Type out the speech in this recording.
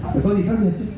có gì khác nhớ chứ